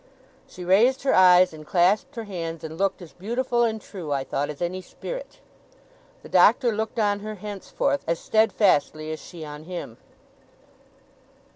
She raised her eyes, and clasped her hands, and looked as beautiful and true, I thought, as any Spirit. The Doctor looked on her, henceforth, as steadfastly as she on him.